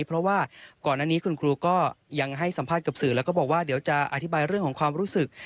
เพราะว่าก่อนอันนี้คุณครูก็ยังให้สัมภาษณ์กับสื่อแล้วก็บอกว่าเดี๋ยวจะอธิบายเรื่องของความรู้สึก